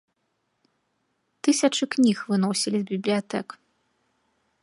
Тысячы кніг выносілі з бібліятэк.